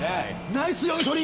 ナイス読み取り！